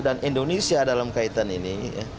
dan indonesia dalam kaitan ini